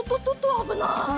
あぶない！